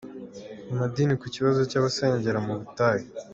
Amadini ku kibazo cy’abasengera mu butayu .